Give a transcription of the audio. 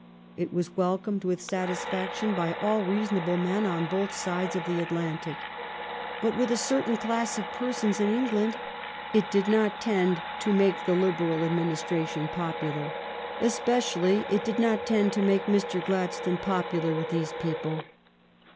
It was welcomed with satisfaction by all reasonable men on both sides of the Atlantic. But with a certain class of persons in England it did not tend to make the Liberal administration popular. Especially it did not tend to make Mr. Gladstone popular with these people.